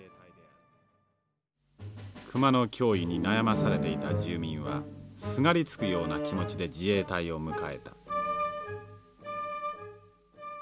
クマの脅威に悩まされていた住民はすがりつくような気持ちで自衛隊を迎えた。